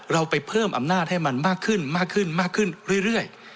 เราไปเพิ่มอำนาจให้มันมากขึ้นเรื่อย